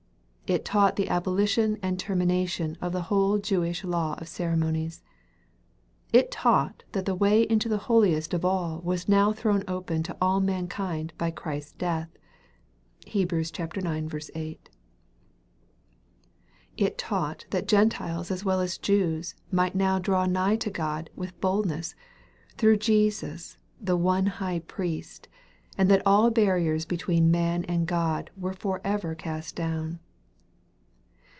It taught the abolition and termination of the whole Jewish law of ceremonies. It taught that the way into the holiest of all vas now thrown open to all mankind by Christ's death. (Heb. ix. 8.) It taught that Gentiles as well as Jews might now draw nigh to God with bold ness, through Jesus the one High Priest, and that all barriers between man and God were for ever cast down.